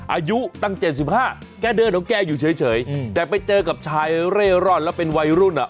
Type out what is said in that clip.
อายุตั้ง๗๕แกเดินของแกอยู่เฉยแต่ไปเจอกับชายเร่ร่อนแล้วเป็นวัยรุ่นอ่ะ